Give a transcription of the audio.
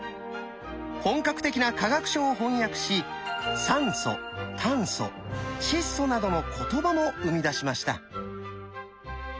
本格的な化学書を翻訳しなどの言葉も生み出しました。